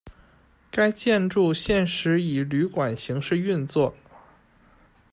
该建筑现时以旅馆形式运作。